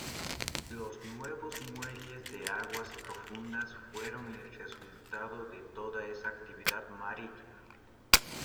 Los nuevos muelles de aguas profundas fueron el resultado de toda esa actividad marítima.